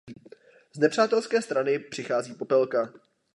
Z nepřátelské strany přichází Popelka.